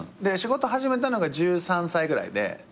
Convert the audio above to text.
で仕事始めたのが１３歳ぐらいで。